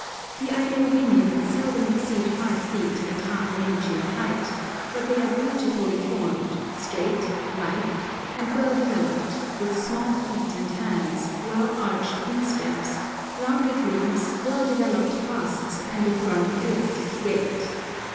The Aino women seldom exceed five feet and half an inch in height, but they are beautifully formed, straight, lithe, and well developed, with small feet and hands, well arched insteps, rounded limbs, well developed busts, and a firm, elastic gait.